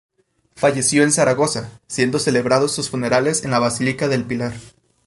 Falleció en Zaragoza, siendo celebrados sus funerales en la Basílica del Pilar.